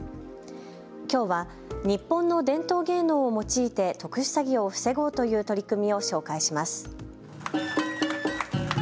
きょうは日本の伝統芸能を用いて特殊詐欺を防ごうという取り組みを紹介します。